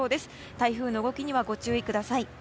台風の動きにはご注意ください。